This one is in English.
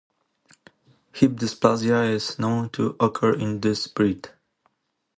Hip dysplasia is known to occur in this breed.